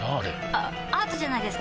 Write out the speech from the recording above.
あアートじゃないですか？